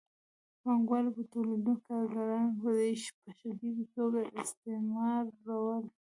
پانګوالو به تولیدونکي کارګران په شدیده توګه استثمارول